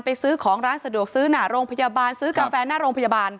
ซื้อของร้านสะดวกซื้อหน้าโรงพยาบาลซื้อกาแฟหน้าโรงพยาบาล